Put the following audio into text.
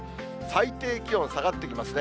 最低気温下がってきますね。